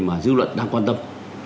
mà dư luận đang quan tâm